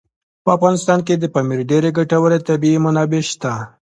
په افغانستان کې د پامیر ډېرې ګټورې طبعي منابع شته دي.